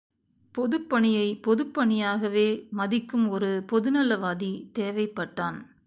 பொதுப்பணியை பொதுப்பணியாகவே மதிக்கும் ஒரு பொதுநலவாதி தேவைப்பட்டான்.